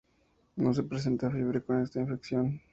No se presenta fiebre con esta infección.